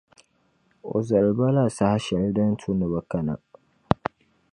O zali ba la saha shεli din tu ni bɛ kana.